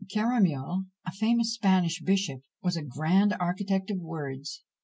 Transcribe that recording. Caramuel, a famous Spanish bishop, was a grand architect of words.